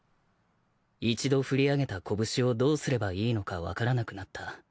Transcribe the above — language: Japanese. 一度振り上げた拳をどうすればいいのか分からなくなった。